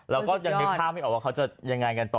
เราก็ยังนึกภาพไม่ออกว่าเขาจะยังไงกันต่อ